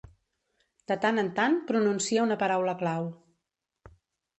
De tant en tant pronuncia una paraula clau.